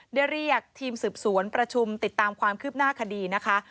ได้เรียกทีมสืบสวนประชุมติดตามความคืบหน้าคดีนะคะ